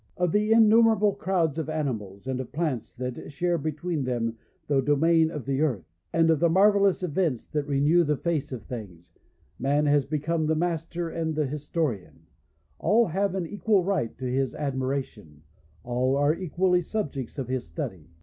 Of the innumerable crowds of animals, and of plants that share between them the domain of the earth, and of the marvellous events that renew the face of things, man has become the master an<l the historian ; all have an equal right to his admiration, all arc equally subjects of his study.